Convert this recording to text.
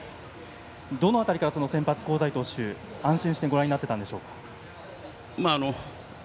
どの辺りから先発の香西投手を安心してご覧になっていたんでしょうか。